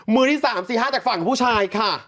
มือที่๓๔๕จากฝั่งผู้ชายค่ะ